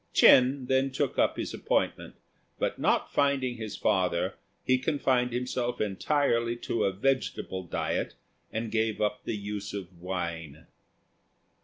Ch'ên then took up his appointment, but not finding his father he confined himself entirely to a vegetable diet, and gave up the use of wine.